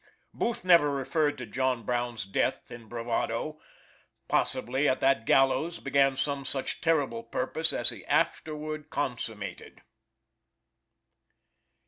Booth never referred to John Brown's death in bravado; possibly at that gallows began some such terrible purpose as he afterward consummated.